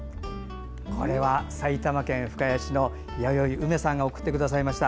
埼玉県深谷市のやよいうめさんが送ってくださいました。